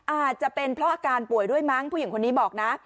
อาจจะเป็นเพราะอาการป่วยด้วยมั้งผู้หญิงคนนี้บอกนะ